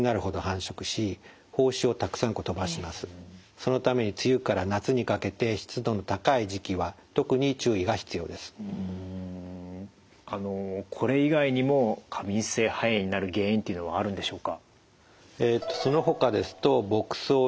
そのためにこれ以外にも過敏性肺炎になる原因っていうのはあるんでしょうか？